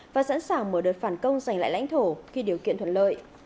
và sẵn sàng mở đợt phản công giành lại lãnh thổ khi điều kiện thuận lợi